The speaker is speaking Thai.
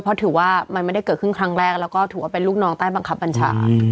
เพราะถือว่ามันไม่ได้เกิดขึ้นครั้งแรกแล้วก็ถือว่าเป็นลูกน้องใต้บังคับบัญชา